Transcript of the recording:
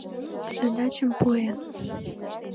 — Задачым пуэн.